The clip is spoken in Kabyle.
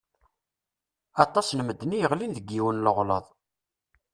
Aṭas n medden i yeɣlin deg yiwen n leɣlaḍ.